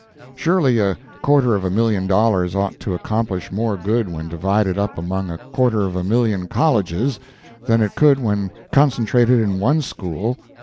Surely a quarter of a million dollars ought to accomplish more good when divided up among a quarter of a million colleges than it could when concentrated in one school.